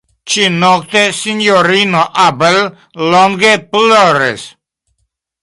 Ĉinokte Sinjorino Abel longe ploradis.